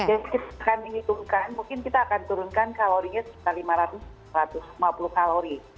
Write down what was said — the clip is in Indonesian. jadi kita akan menghitungkan mungkin kita akan turunkan kalorinya sekitar lima ratus satu ratus lima puluh kalori